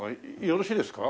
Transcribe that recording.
よろしいですか？